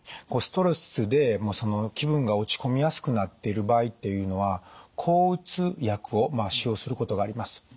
ストレスで気分が落ち込みやすくなっている場合というのは抗うつ薬を使用することがあります。